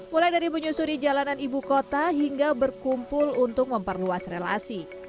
mulai dari menyusuri jalanan ibu kota hingga berkumpul untuk memperluas relasi